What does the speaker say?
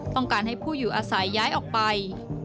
ต้องการให้ผู้อยู่อาศัยย้ายออกไป